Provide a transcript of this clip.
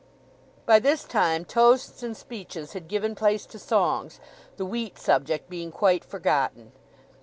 By this time toasts and speeches had given place to songs, the wheat subject being quite forgotten.